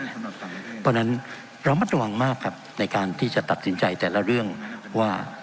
เพราะฉะนั้นระมัดระวังมากครับในการที่จะตัดสินใจแต่ละเรื่องว่า